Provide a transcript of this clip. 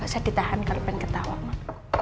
gak usah ditahan kalo pengen ketawa mbak